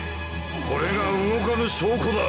これが動かぬ証拠だ。